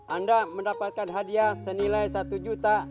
anda mendapatkan hadiah senilai satu juta